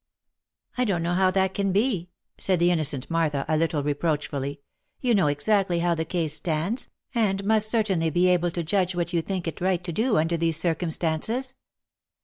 " I don't know how that can be," said the innocent Martha a little reproachfully. " You know exactly how the case stands, and must certainly be able to judge what you think it right to do under these circumstances."